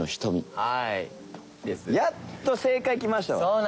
やっと正解来ましたよ。